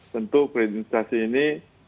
tentu kredit instasi ini